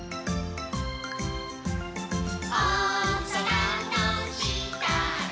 「おそらのしたで」